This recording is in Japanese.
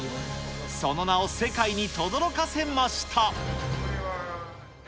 その名を世界にとどろかせました。